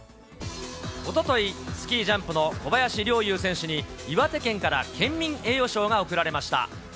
おととい、スキージャンプの小林陵侑選手に、岩手県から県民栄誉賞が贈られました。